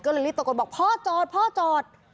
ก็เลยรีบตะโกนบอกพ่อจอดพ่อจอด